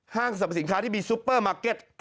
สรรพสินค้าที่มีซุปเปอร์มาร์เก็ต